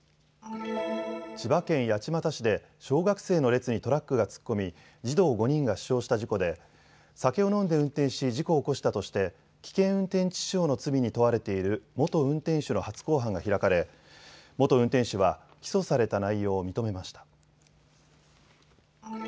千葉県八街市で小学生の列にトラックが突っ込み児童５人が死傷した事故で酒を飲んで運転し事故を起こしたとして危険運転致死傷の罪に問われている元運転手の初公判が開かれ元運転手は起訴された内容を認めました。